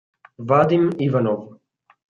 Vadim Ivanov